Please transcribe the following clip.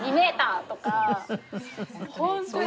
ホントに。